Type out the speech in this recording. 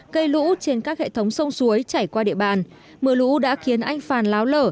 gây lũ trên các hệ thống sông suối chảy qua địa bàn mưa lũ đã khiến anh phàn láo lở